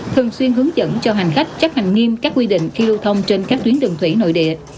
thường xuyên hướng dẫn cho hành khách chấp hành nghiêm các quy định khi lưu thông trên các tuyến đường thủy nội địa